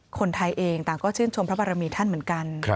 คนไทยเองต่างก็ชื่นชมพระบารมีท่านเหมือนกัน